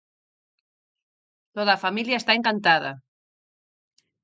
Toda a familia está encantada.